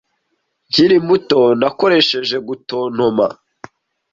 Nkiri muto. Nakoresheje gutontoma